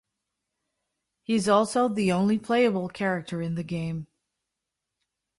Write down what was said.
He is also the only playable character in the game.